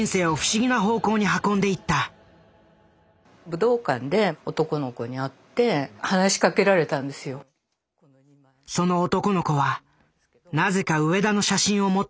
その男の子はなぜか上田の写真を持っていた。